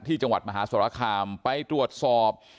จังหวัดมหาสรคามไปตรวจสอบ